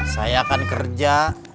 saya akan kerja